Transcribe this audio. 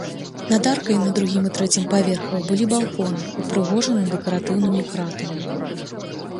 Над аркай на другім і трэцім паверхах былі балконы, упрыгожаныя дэкаратыўнымі кратамі.